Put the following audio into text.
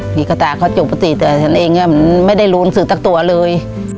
พี่กระตาเขาจุกปกติแต่ฉันเองมันไม่ได้รู้หนังสือสักตัวเลย